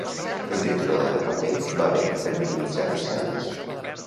El triturador de paper va bé per minimitzar deixalles.